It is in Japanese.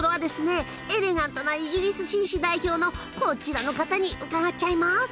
エレガントなイギリス紳士代表のこちらの方に伺っちゃいます。